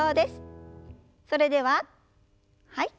それでははい。